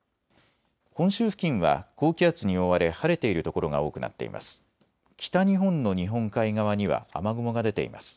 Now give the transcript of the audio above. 本州付近は高気圧に覆われ晴れている所が多くなっています。